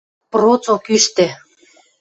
Процок ӱштӹ.